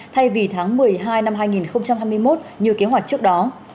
thay vì tháng một mươi hai năm hai nghìn hai mươi một như kế hoạch trước đó